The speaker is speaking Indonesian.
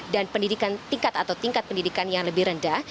dan tingkat pendidikan yang lebih rendah